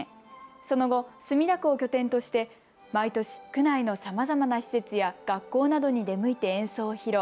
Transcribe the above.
その後、墨田区を拠点として毎年、区内のさまざまな施設や学校などに出向いて演奏を披露。